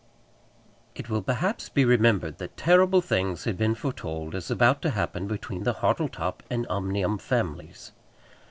It will perhaps be remembered that terrible things had been foretold as about to happen between the Hartletop and Omnium families.